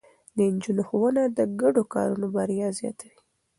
د نجونو ښوونه د ګډو کارونو بريا زياتوي.